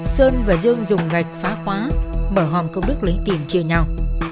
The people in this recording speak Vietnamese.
sơn và dương dùng gạch phá khóa mở hòm công đức lấy tiền chia nhau